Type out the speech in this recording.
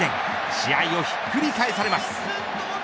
試合をひっくり返されます。